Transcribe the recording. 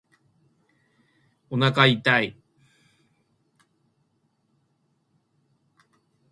おなか痛い